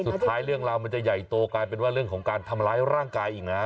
สุดท้ายเรื่องราวมันจะใหญ่โตกลายเป็นว่าเรื่องของการทำร้ายร่างกายอีกนะ